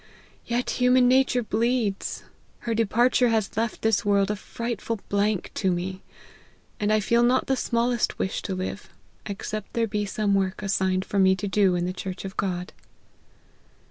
Yet human nature bleeds ; her departure has left this world a frightful blank to me ; and I feel not the smallest wish to live, except there be some work assigned for me to do in the church of God."